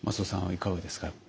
いかがですか。